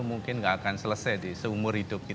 mungkin tidak akan selesai di seumur hidup kita